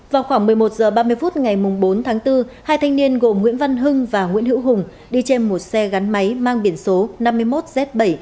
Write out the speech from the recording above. vào khoảng một mươi một h ba mươi ngày bốn tháng bốn hai thanh niên gồm nguyễn văn hưng và nguyễn hữu hùng đi trên một xe gắn máy mang biển số năm mươi một z bảy chín nghìn ba trăm bảy mươi sáu